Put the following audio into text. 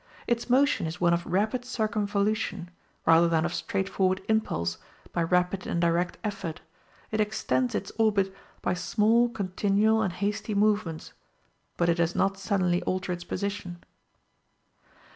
Its motion is one of rapid circumvolution, rather than of straightforward impulse by rapid and direct effort; it extends its orbit by small continual and hasty movements, but it does not suddenly alter its position.